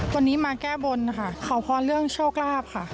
วันนี้มาแก้บนค่ะขอพรเรื่องโชคลาภค่ะ